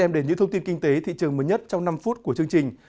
để xem đến những thông tin kinh tế thị trường mới nhất trong năm phút của chương trình